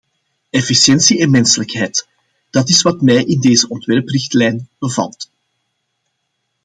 Efficiëntie en menselijkheid: dat is wat mij in deze ontwerprichtlijn bevalt.